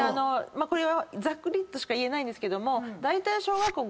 これはざっくりとしか言えないんですけどだいたい。